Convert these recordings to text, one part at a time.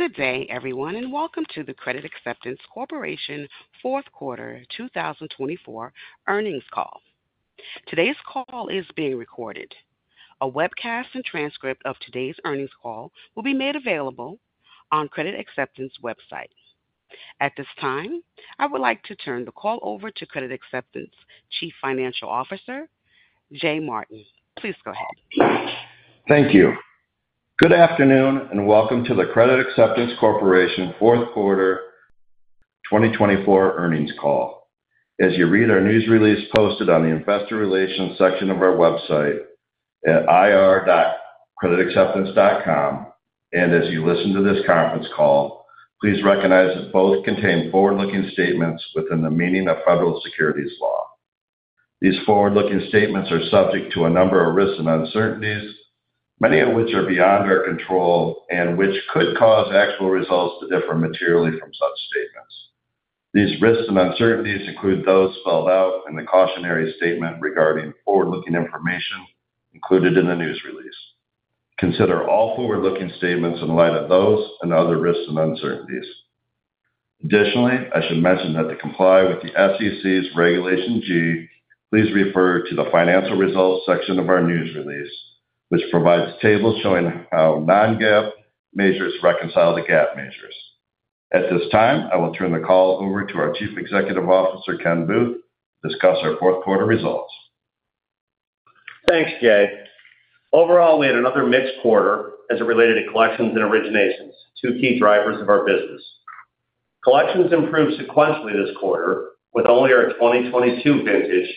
Good day, everyone, and welcome to the Credit Acceptance Corporation Fourth Quarter 2024 earnings call. Today's call is being recorded. A webcast and transcript of today's earnings call will be made available on the Credit Acceptance website. At this time, I would like to turn the call over to Credit Acceptance Chief Financial Officer, Jay Martin. Please go ahead. Thank you. Good afternoon and welcome to the Credit Acceptance Corporation Fourth Quarter 2024 earnings call. As you read our news release posted on the Investor Relations section of our website at ir.creditacceptance.com, and as you listen to this conference call, please recognize that both contain forward-looking statements within the meaning of federal securities law. These forward-looking statements are subject to a number of risks and uncertainties, many of which are beyond our control and which could cause actual results to differ materially from such statements. These risks and uncertainties include those spelled out in the cautionary statement regarding forward-looking information included in the news release. Consider all forward-looking statements in light of those and other risks and uncertainties. Additionally, I should mention that to comply with the SEC's Regulation G, please refer to the Financial Results section of our news release, which provides tables showing how non-GAAP measures reconcile to GAAP measures. At this time, I will turn the call over to our Chief Executive Officer, Ken Booth, to discuss our fourth quarter results. Thanks, Jay. Overall, we had another mixed quarter as it related to collections and originations, two key drivers of our business. Collections improved sequentially this quarter, with only our 2022 vintage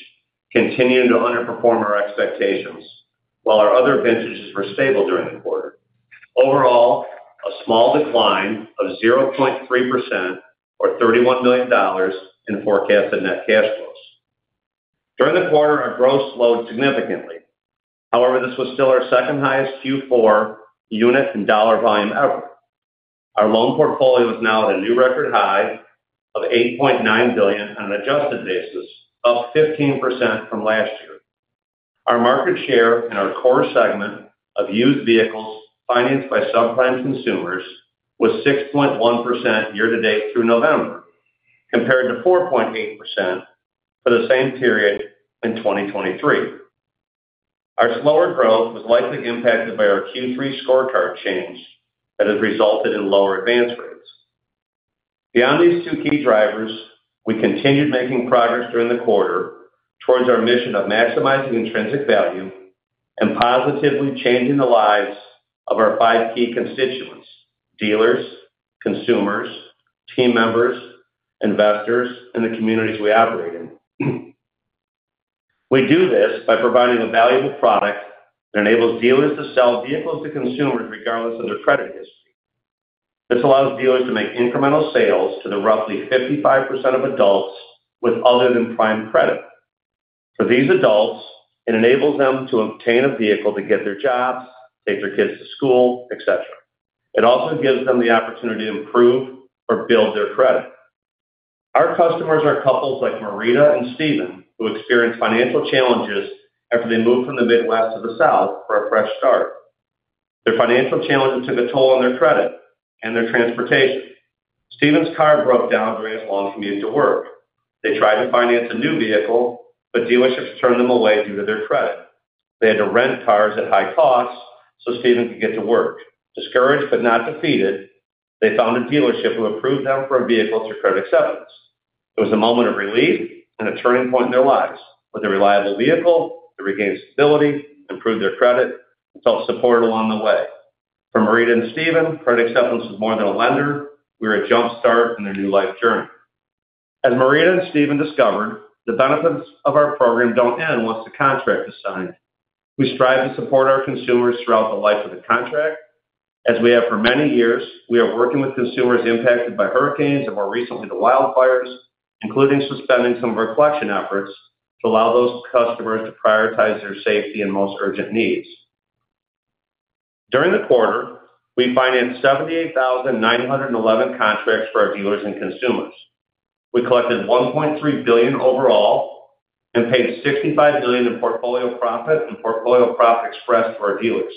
continuing to underperform our expectations, while our other vintages were stable during the quarter. Overall, a small decline of 0.3% or $31 million in forecasted net cash flows. During the quarter, our growth slowed significantly. However, this was still our second highest Q4 unit and dollar volume ever. Our loan portfolio is now at a new record high of $8.9 billion on an adjusted basis, up 15% from last year. Our market share in our core segment of used vehicles financed by subprime consumers was 6.1% year-to-date through November, compared to 4.8% for the same period in 2023. Our slower growth was likely impacted by our Q3 scorecard change that has resulted in lower advance rates. Beyond these two key drivers, we continued making progress during the quarter towards our mission of maximizing intrinsic value and positively changing the lives of our five key constituents: dealers, consumers, team members, investors, and the communities we operate in. We do this by providing a valuable product that enables dealers to sell vehicles to consumers regardless of their credit history. This allows dealers to make incremental sales to the roughly 55% of adults with other-than-prime credit. For these adults, it enables them to obtain a vehicle to get their jobs, take their kids to school, etc. It also gives them the opportunity to improve or build their credit. Our customers are couples like Marina and Stephen, who experienced financial challenges after they moved from the Midwest to the South for a fresh start. Their financial challenges took a toll on their credit and their transportation. Stephen's car broke down during his long commute to work. They tried to finance a new vehicle, but dealerships turned them away due to their credit. They had to rent cars at high costs so Stephen could get to work. Discouraged but not defeated, they found a dealership who approved them for a vehicle through Credit Acceptance. It was a moment of relief and a turning point in their lives. With a reliable vehicle, they regained stability, improved their credit, and felt supported along the way. For Marina and Stephen, Credit Acceptance was more than a lender. We were a jumpstart in their new life journey. As Marina and Stephen discovered, the benefits of our program don't end once the contract is signed. We strive to support our consumers throughout the life of the contract. As we have for many years, we are working with consumers impacted by hurricanes and, more recently, the wildfires, including suspending some of our collection efforts to allow those customers to prioritize their safety and most urgent needs. During the quarter, we financed 78,911 contracts for our dealers and consumers. We collected $1.3 billion overall and paid $65 million in Portfolio Profit and Portfolio Profit Express to our dealers.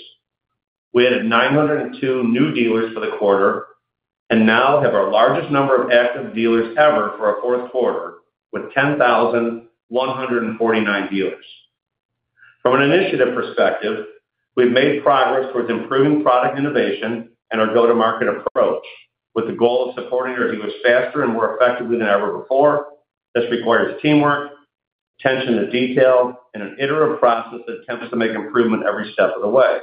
We added 902 new dealers for the quarter and now have our largest number of active dealers ever for our fourth quarter, with 10,149 dealers. From an initiative perspective, we've made progress towards improving product innovation and our go-to-market approach, with the goal of supporting our dealers faster and more effectively than ever before. This requires teamwork, attention to detail, and an iterative process that attempts to make improvement every step of the way.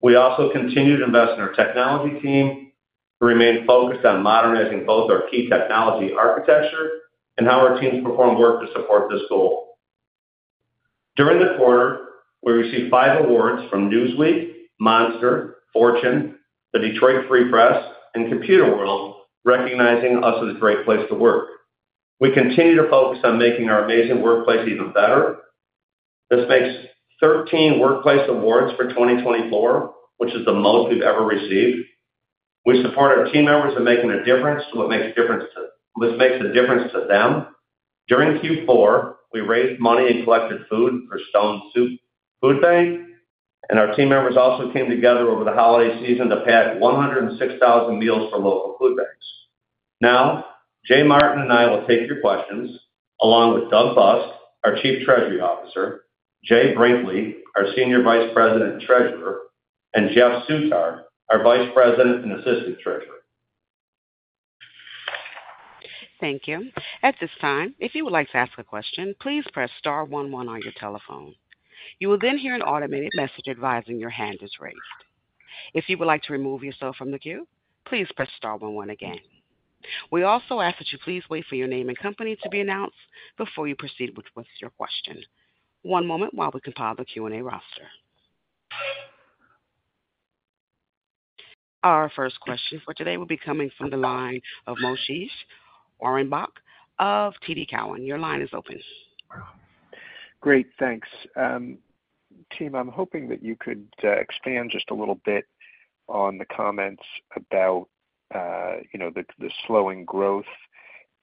We also continue to invest in our technology team to remain focused on modernizing both our key technology architecture and how our teams perform work to support this goal. During the quarter, we received five awards from Newsweek, Monster, Fortune, the Detroit Free Press, and Computerworld, recognizing us as a great place to work. We continue to focus on making our amazing workplace even better. This makes 13 workplace awards for 2024, which is the most we've ever received. We support our team members in making a difference to what makes a difference to them. During Q4, we raised money and collected food for Stone Soup Food Bank, and our team members also came together over the holiday season to pack 106,000 meals for local food banks. Now, Jay Martin and I will take your questions, along with Doug Busk, our Chief Treasury Officer, Jay Brinkley, our Senior Vice President and Treasurer, and Jeff Soutar, our Vice President and Assistant Treasurer. Thank you. At this time, if you would like to ask a question, please press star 11 on your telephone. You will then hear an automated message advising your hand is raised. If you would like to remove yourself from the queue, please press star 11 again. We also ask that you please wait for your name and company to be announced before you proceed with your question. One moment while we compile the Q&A roster. Our first question for today will be coming from the line of Moshe Orenbuch of TD Cowen. Your line is open. Great. Thanks. Team, I'm hoping that you could expand just a little bit on the comments about the slowing growth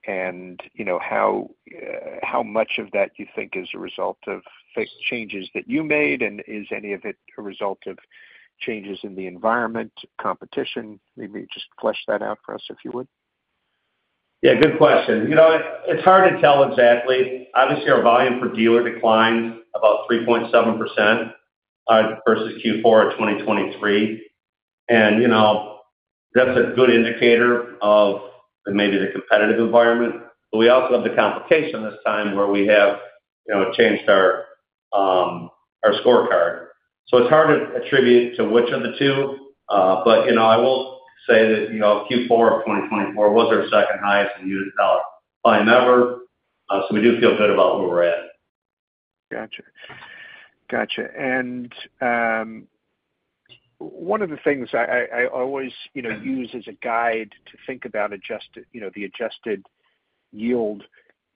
and how much of that you think is a result of changes that you made, and is any of it a result of changes in the environment, competition? Maybe just flesh that out for us, if you would. Yeah. Good question. It's hard to tell exactly. Obviously, our volume for dealer declined about 3.7% versus Q4 of 2023. And that's a good indicator of maybe the competitive environment. But we also have the complication this time where we have changed our scorecard. So it's hard to attribute to which of the two, but I will say that Q4 of 2024 was our second highest in unit and dollar volume ever. So we do feel good about where we're at. Gotcha. Gotcha. And one of the things I always use as a guide to think about the adjusted yield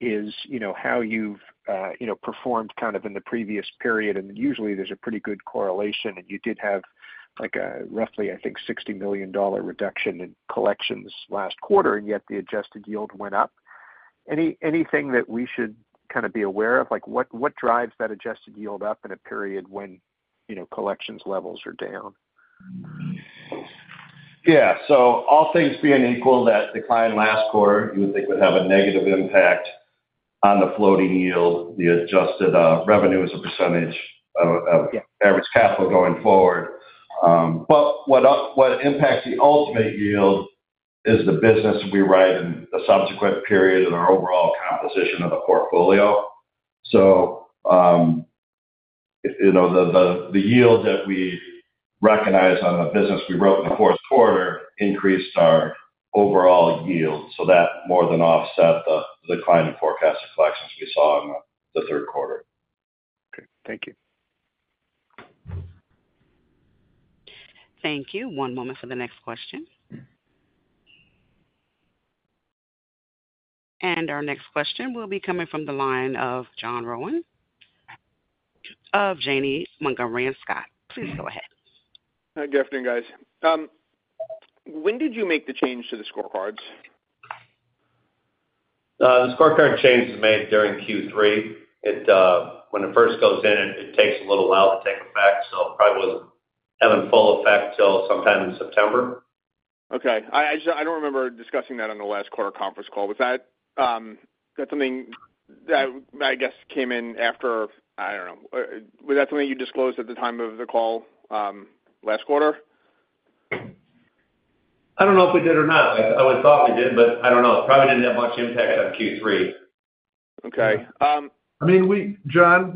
is how you've performed kind of in the previous period. And usually, there's a pretty good correlation, and you did have roughly, I think, a $60 million reduction in collections last quarter, and yet the adjusted yield went up. Anything that we should kind of be aware of? What drives that adjusted yield up in a period when collections levels are down? Yeah. So all things being equal, that decline last quarter, you would think would have a negative impact on the floating yield, the adjusted revenue as a percentage of average capital going forward. But what impacts the ultimate yield is the business we write in the subsequent period and our overall composition of the portfolio. So the yield that we recognize on the business we wrote in the fourth quarter increased our overall yield. So that more than offset the decline in forecasted collections we saw in the third quarter. Okay. Thank you. Thank you. One moment for the next question. And our next question will be coming from the line of John Rowan of Janney Montgomery Scott. Please go ahead. Hi. Good afternoon, guys. When did you make the change to the scorecards? The scorecard change was made during Q3. When it first goes in, it takes a little while to take effect, so it probably wasn't having full effect till sometime in September. Okay. I don't remember discussing that on the last quarter conference call. Was that something that, I guess, came in after. I don't know. Was that something you disclosed at the time of the call last quarter? I don't know if we did or not. I would have thought we did, but I don't know. It probably didn't have much impact on Q3. Okay. I mean, John,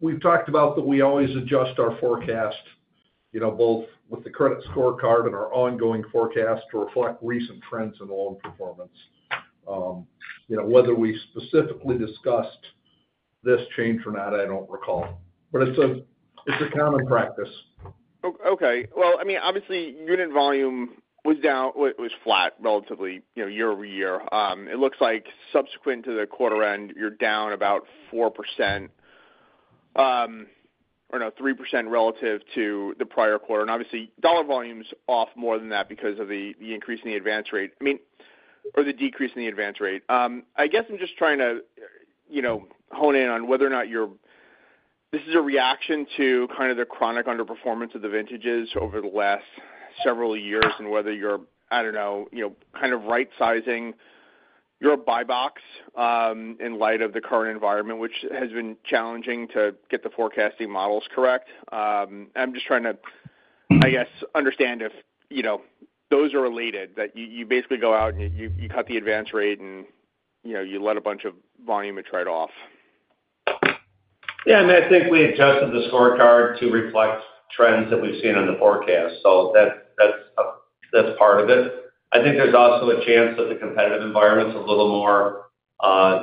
we've talked about that we always adjust our forecast, both with the credit scorecard and our ongoing forecast to reflect recent trends in loan performance. Whether we specifically discussed this change or not, I don't recall. But it's a common practice. Okay. Obviously, unit volume was down. It was flat, relatively, year-over-year. It looks like, subsequent to the quarter end, you're down about 4% or, no, 3% relative to the prior quarter. And obviously, dollar volume's off more than that because of the increase in the advance rate, or the decrease in the advance rate. I guess I'm just trying to hone in on whether or not this is a reaction to kind of the chronic underperformance of the vintages over the last several years and whether you're - I don't know - kind of right-sizing your buy box in light of the current environment, which has been challenging to get the forecasting models correct. I'm just trying to, I guess, understand if those are related, that you basically go out and you cut the advance rate and you let a bunch of volume slip right off. Yeah. And I think we adjusted the scorecard to reflect trends that we've seen in the forecast. So that's part of it. I think there's also a chance that the competitive environment's a little more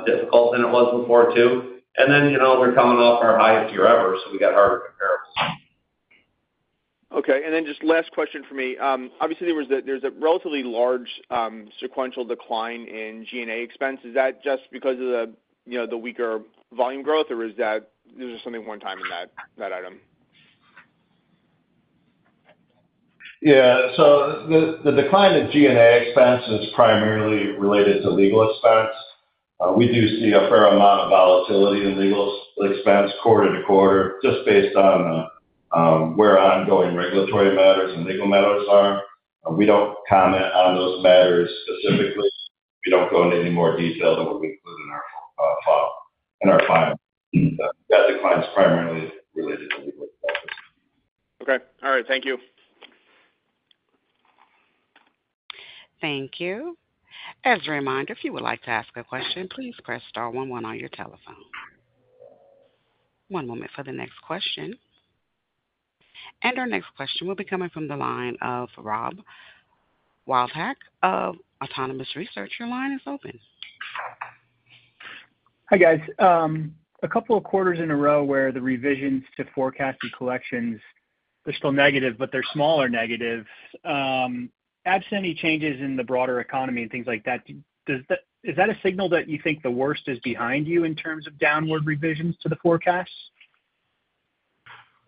difficult than it was before, too. And then we're coming off our highest year ever, so we got harder comparables. Okay. And then just last question for me. Obviously, there's a relatively large sequential decline in G&A expense. Is that just because of the weaker volume growth, or was there something one-time in that item? Yeah. So the decline in G&A expense is primarily related to legal expense. We do see a fair amount of volatility in legal expense quarter to quarter, just based on where ongoing regulatory matters and legal matters are. We don't comment on those matters specifically. We don't go into any more detail than what we include in our file. That decline's primarily related to legal expenses. Okay. All right. Thank you. Thank you. As a reminder, if you would like to ask a question, please press star 11 on your telephone. One moment for the next question. And our next question will be coming from the line of Rob Wildhack of Autonomous Research. Your line is open. Hi, guys. A couple of quarters in a row where the revisions to forecasted collections, they're still negative, but they're smaller negatives. Absent any changes in the broader economy and things like that, is that a signal that you think the worst is behind you in terms of downward revisions to the forecast?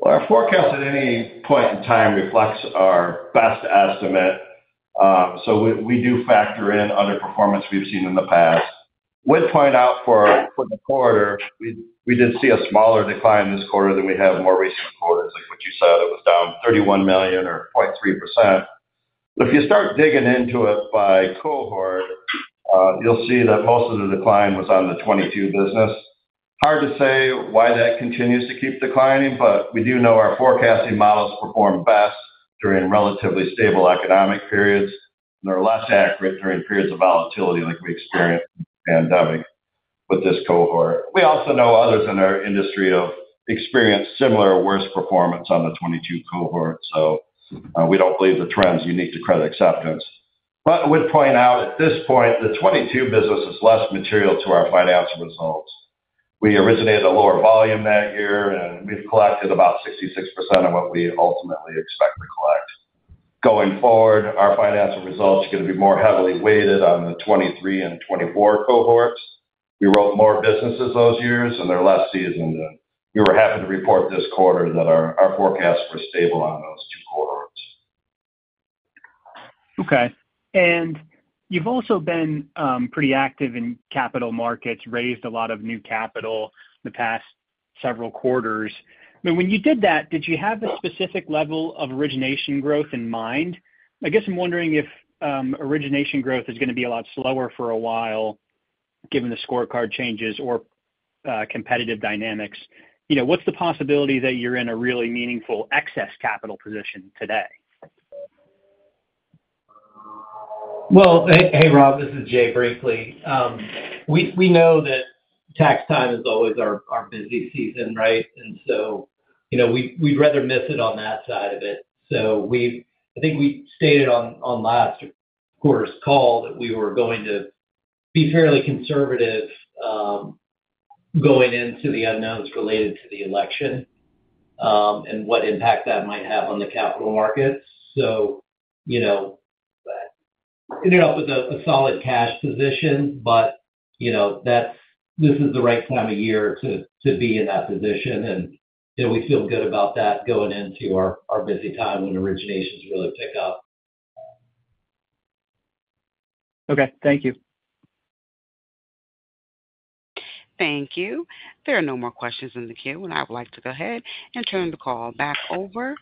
Our forecast at any point in time reflects our best estimate. So we do factor in other performance we've seen in the past. I would point out for the quarter, we did see a smaller decline this quarter than we have more recent quarters, like what you said. It was down $31 million or 0.3%. But if you start digging into it by cohort, you'll see that most of the decline was on the 2022 business. Hard to say why that continues to keep declining, but we do know our forecasting models perform best during relatively stable economic periods, and they're less accurate during periods of volatility like we experienced with the pandemic with this cohort. We also know others in our industry have experienced similar worst performance on the 2022 cohort, so we don't believe the trend's unique to Credit Acceptance. But I would point out at this point, the 2022 business is less material to our financial results. We originated a lower volume that year, and we've collected about 66% of what we ultimately expect to collect. Going forward, our financial results are going to be more heavily weighted on the 2023 and 2024 cohorts. We wrote more businesses those years, and they're less seasoned. And we were happy to report this quarter that our forecasts were stable on those two quarters. Okay. And you've also been pretty active in capital markets, raised a lot of new capital the past several quarters. When you did that, did you have a specific level of origination growth in mind? I guess I'm wondering if origination growth is going to be a lot slower for a while given the scorecard changes or competitive dynamics. What's the possibility that you're in a really meaningful excess capital position today? Hey, Rob. This is Jay Brinkley. We know that tax time is always our busy season, right? And so we'd rather miss it on that side of it. I think we stated on last quarter's call that we were going to be fairly conservative going into the unknowns related to the election and what impact that might have on the capital markets. We ended up with a solid cash position, but this is the right time of year to be in that position, and we feel good about that going into our busy time when originations really pick up. Okay. Thank you. Thank you. There are no more questions in the queue, and I would like to go ahead and turn the call back over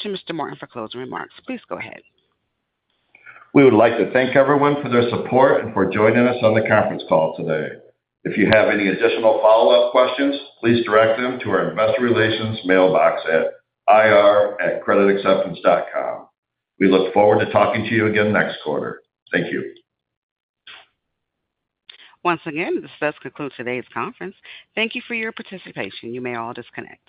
to Mr. Martin for closing remarks. Please go ahead. We would like to thank everyone for their support and for joining us on the conference call today. If you have any additional follow-up questions, please direct them to our investor relations mailbox at ir@creditacceptance.com. We look forward to talking to you again next quarter. Thank you. Once again, this does conclude today's conference. Thank you for your participation. You may all disconnect.